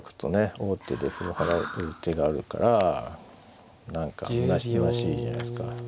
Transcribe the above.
王手ですが払う手があるから何かむなしいじゃないですか。